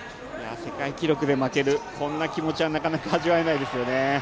世界記録で負けるそんな気持ちはなかなか味わえないですよね。